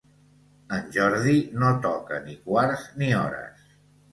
En Jordi no toca ni quarts ni hores.